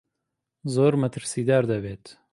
زۆر مەترسیدار دەبێت.